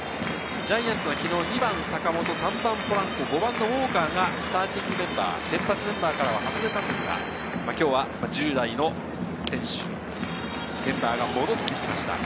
ジャイアンツは昨日２番・坂本、３番・ポランコ、５番・ウォーカーがスターティングメンバーからは外れたんですが、今日は従来の選手、メンバーが戻ってきました。